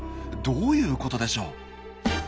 どういうことでしょう？